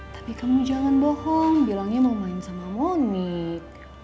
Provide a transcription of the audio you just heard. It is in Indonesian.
tapi kamu jangan bohong bilangnya mau main sama monik